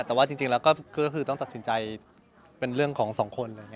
แต่ก็คือต้องตัดสินใจเป็นเรื่องของสองคนเลย